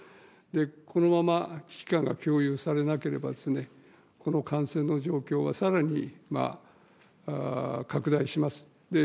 このまま危機感が共有されなければ、この感染の状況はさらに拡大します。